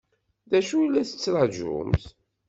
D acu i la tettṛaǧumt?